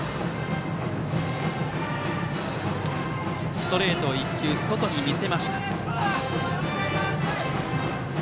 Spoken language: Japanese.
ストレート１球、外に見せました。